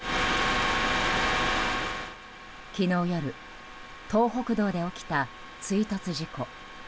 昨日夜、東北道で起きた追突事故。